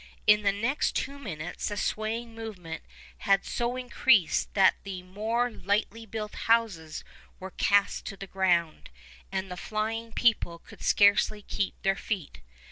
In the next two minutes the swaying movement had so increased that the more lightly built houses were cast to the ground, and the flying people could scarcely keep their feet.